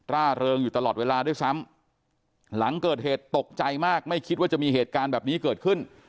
ร่าเริงอยู่ตลอดเวลาด้วยซ้ำหลังเกิดเหตุตกใจมากไม่คิดว่าจะมีเหตุการณ์แบบนี้เกิดขึ้น